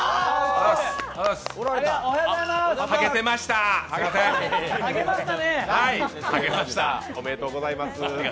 おめでとうございます。